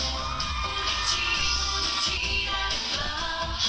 พูดอีกทีพูดอีกทีได้หรือเปล่า